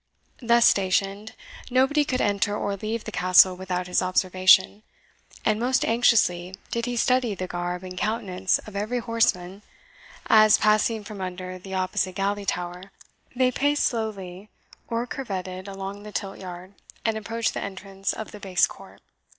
Thus stationed, nobody could enter or leave the Castle without his observation, and most anxiously did he study the garb and countenance of every horseman, as, passing from under the opposite Gallery tower, they paced slowly, or curveted, along the tilt yard, and approached the entrance of the base court.